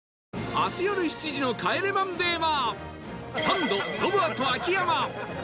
明日よる７時の『帰れマンデー』は